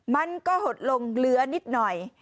มันก็หดลงเหลือนิดหน่อย